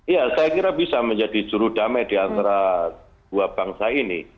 ya saya kira bisa menjadi jurudamai di antara dua bangsa ini